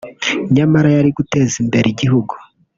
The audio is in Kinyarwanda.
nyamara yari guteza imbere igihugu